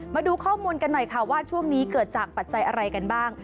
มาดูข้อมูลกันหน่อยค่ะว่าช่วงนี้เกิดจากปัจจัยอะไรกันบ้าง